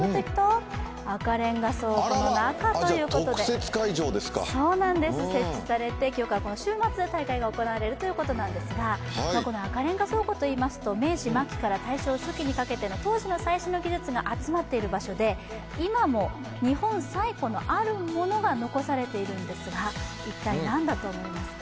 赤レンガ倉庫の中ということで設置されて、今日から週末大会が行われるということなんですが赤レンガ倉庫といいますと明治末期から大正初期にかけて当時の最新の技術が集まっている場所で、今も日本最古のあるものが残されているんですが一体、何だと思いますか？